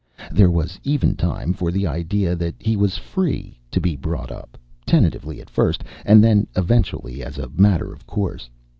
There was even time for the idea that he was free to be brought up, tentatively at first, and then eventually as a matter of course.